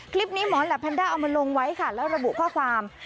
หมอแหลปแพนด้าเอามาลงไว้ค่ะแล้วระบุข้อความ